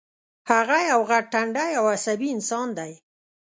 هغه یو غټ ټنډی او عصبي انسان دی